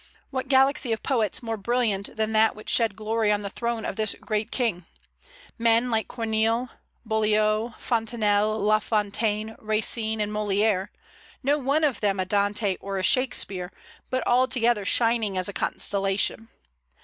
What galaxy of poets more brilliant than that which shed glory on the throne of this great king! men like Corneille, Boileau, Fontanelle, La Fontaine, Racine, and Molière; no one of them a Dante or a Shakspeare, but all together shining as a constellation.